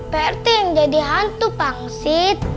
prt yang jadi hantu bang sid